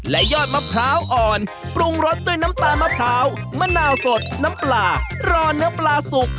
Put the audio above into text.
และยอดมะพร้าวอ่อนปรุงรสด้วยน้ำตาลมะพร้าวมะนาวสดน้ำปลารอเนื้อปลาสุก